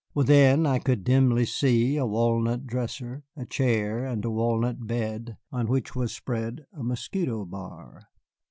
Within I could dimly see a walnut dresser, a chair, and a walnut bed on which was spread a mosquito bar.